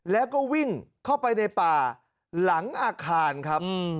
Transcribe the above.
แล้วก็วิ่งเข้าไปในป่าหลังอาคารครับ